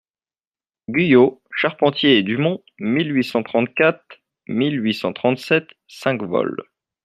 Guyot, Charpentier et Dumont, mille huit cent trente-quatre-mille huit cent trente-sept, cinq vol.